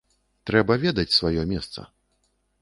Трэба ведаць сваё месца.